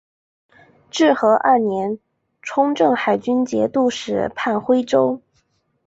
至和二年充镇海军节度使判亳州。